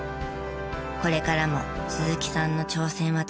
これからも鈴木さんの挑戦は続きます。